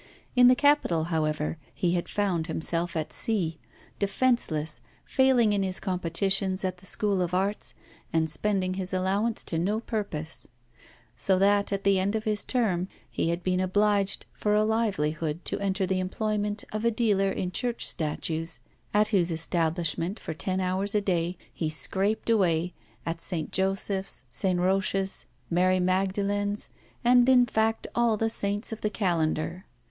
In the capital, however, he had found himself at sea, defenceless, failing in his competitions at the School of Arts, and spending his allowance to no purpose; so that, at the end of his term, he had been obliged for a livelihood to enter the employment of a dealer in church statues, at whose establishment, for ten hours a day, he scraped away at St. Josephs, St. Rochs, Mary Magdalens, and, in fact, all the saints of the calendar.